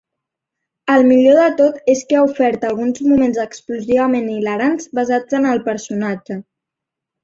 El millor de tot és que ha ofert alguns moments explosivament hilarants basats en el personatge.